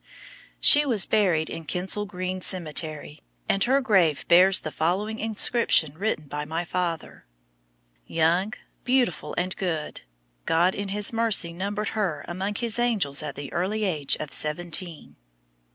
She was buried in Kensal Green Cemetery, and her grave bears the following inscription, written by my father: "Young, beautiful, and good, God in His mercy numbered her among His angels at the early age of seventeen."